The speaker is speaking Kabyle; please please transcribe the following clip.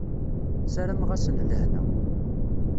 Sarameɣ-asen lehna.